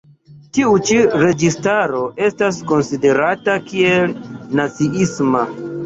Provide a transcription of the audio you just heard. Tiu ĉi registaro estas konsiderata kiel naciisma.